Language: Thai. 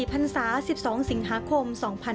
๘๔ภัณฑ์ศาสตร์๑๒สิงหาคม๒๕๕๙